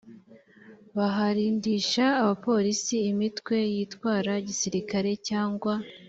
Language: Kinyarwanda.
baharindisha abaporisi imitwe yitwara gisirikare cyangwa